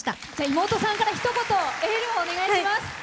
妹さんから、ひと言エールをお願いします。